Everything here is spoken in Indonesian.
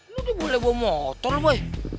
lo udah boleh bawa motor lah boy